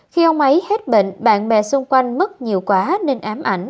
khi ông ấy hết bệnh bạn bè xung quanh mất nhiều quá nên ám ảnh